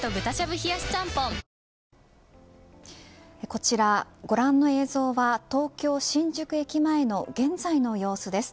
こちらご覧の映像は東京、新宿駅前の現在の様子です。